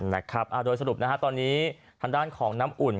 นะครับโดยสรุปนะฮะตอนนี้ทางด้านของน้ำอุ่น